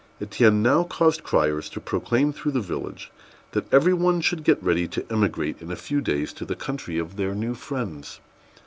Étienne now caused criers to proclaim through the village that every one should get ready to emigrate in a few days to the country of their new friends.